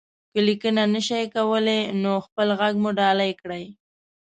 که ليکنه نشئ کولی، نو خپل غږ مو ډالۍ کړئ.